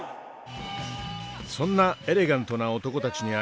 そんなエレガントな男たちに会いたい。